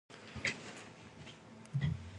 They conceived the spirit of the vine as masculine.